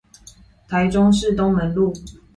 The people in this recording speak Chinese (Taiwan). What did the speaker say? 台中市東門路